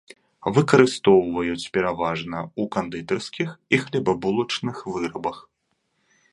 Выкарыстоўваюць пераважна ў кандытарскіх і хлебабулачных вырабах.